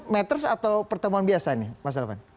matters atau pertemuan biasa nih mas elvan